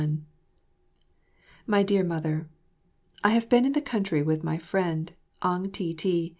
21 My Dear Mother, I have been in the country with my friend Ang Ti ti.